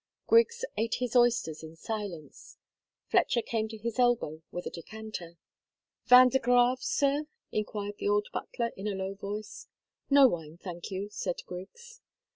Griggs ate his oysters in silence. Fletcher came to his elbow with a decanter. "Vin de Grave, sir?" enquired the old butler in a low voice. "No wine, thank you," said Griggs.